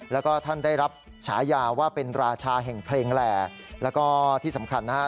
แล้วก็ท่านได้รับฉายาว่าเป็นราชาแห่งเพลงแหล่แล้วก็ที่สำคัญนะฮะ